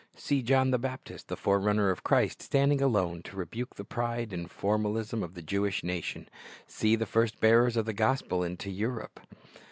See John the Baptist, the forerunner of Christ, standing alone to rebuke the pride and formalism of the Jewish nation. See the first bearers of the gospel into Europe.